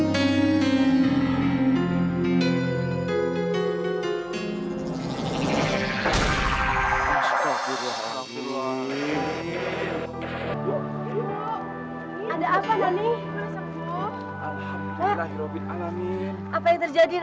selama ini bibi kena santet